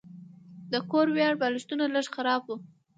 د کور وړیا بالښتونه لږ خراب وو.